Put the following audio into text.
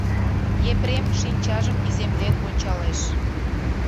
Епрем шинчажым иземден ончалеш.